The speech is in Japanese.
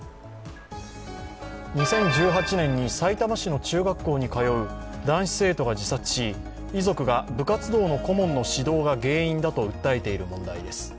２０１８年にさいたま市の中学校に通う、男子生徒が自殺し遺族が部活動の顧問の指導が原因だと訴えている問題です。